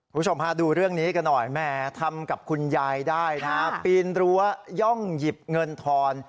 ผู้ชมพาดูเรื่องนี้กันหน่อยท่ำกับคุณยายได้พีลรั้วย่องหยิบเงินทอน